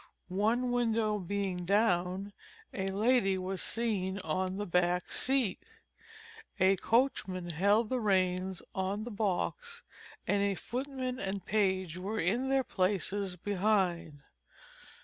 One window being down, a lady was seen on the back seat. A coachman held the reins on the box, and a footman and page were in their places behind.